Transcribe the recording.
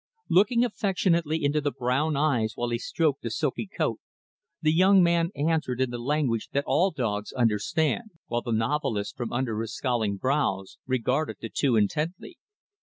Looking affectionately into the brown eyes while he stroked the silky coat, the young man answered in the language that all dogs understand; while the novelist, from under his scowling brows, regarded the two intently.